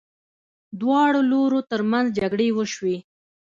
دواړو لورو ترمنځ جګړې وشوې.